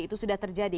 itu sudah terjadi